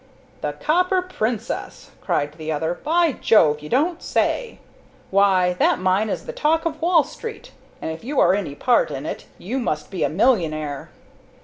'" "The 'Copper Princess'!" cried the other. "By Jove! you don't say so! Why, that mine is the talk of Wall Street, and if you own any part in it, you must be a millionaire!"